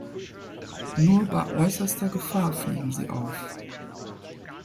Nur bei äußerster Gefahr fliegen sie auf.